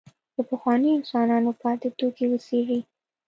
له پخوانیو انسانانو پاتې توکي وڅېړي.